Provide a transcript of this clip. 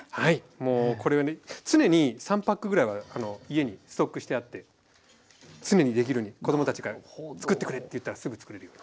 もうこれはね常に３パックぐらいは家にストックしてあって常にできるように子どもたちがつくってくれって言ったらすぐつくれるように。